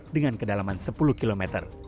dengan kedalaman sepuluh km